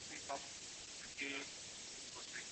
ولي هوډمن سړی د وړ کس په پرتله ښه ځلېږي؟